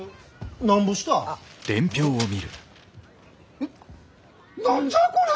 えっ何じゃこりゃ！？